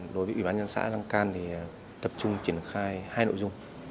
đối với ủy ban dân xã lăng can tập trung triển khai hai nội dung